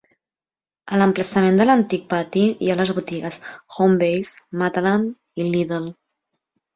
A l'emplaçament de l'antic pati hi ha les botigues Homebase, Matalan i Lidl.